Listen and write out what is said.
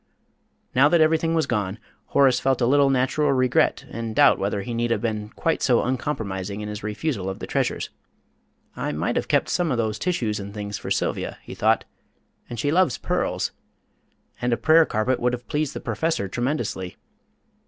Now that everything was gone, Horace felt a little natural regret and doubt whether he need have been quite so uncompromising in his refusal of the treasures. "I might have kept some of those tissues and things for Sylvia," he thought; "and she loves pearls. And a prayer carpet would have pleased the Professor tremendously.